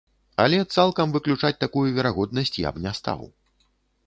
Але цалкам выключаць такую верагоднасць я б не стаў.